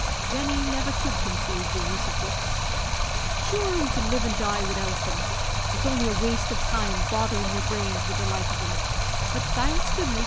Jenny never could conceive the use of books. "Sure, we can live and die widout them. It's only a waste of time botherin' your brains wid the like of them; but, thanks goodness!